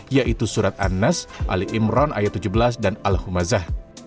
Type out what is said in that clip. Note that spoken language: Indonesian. yaitu surat anas ali imran ayat tujuh belas dan al humazah